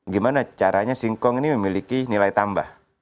gimana caranya singkong ini memiliki nilai tambah